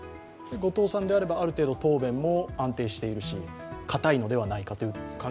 後藤さんであれば、ある程度、答弁も安定しているし、かたいのではないかと。